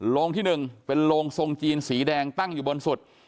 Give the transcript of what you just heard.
โรงที่๑เป็นโรงทรงจีนสีแดงตั้งอยู่บนสุด